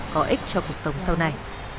có ích cho cuộc sống sau này